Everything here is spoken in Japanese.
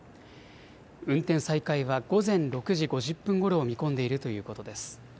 運転再開は午前６時５０分ごろを見込んでいるということです。